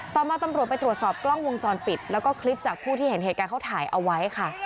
ต่อมาตำรวจไปตรวจสอบกล้องวงจรปิดแล้วก็คลิปจากผู้ที่เห็นเหตุการณ์เขาถ่ายเอาไว้ค่ะ